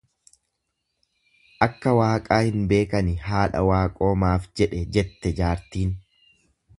Akka Waaqaa hin beekani haadha Waaqoo maaf jedhe jette, jaartiin.